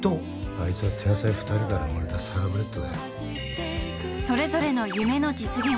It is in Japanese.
あいつは天才二人から生まれたサラブレッドだよそれぞれの夢の実現